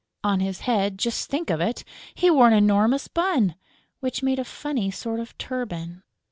On his head just think of it! he wore an enormous bun, which made a funny sort of turban.